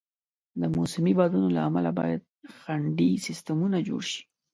د موسمي بادونو له امله باید خنډي سیستمونه جوړ شي.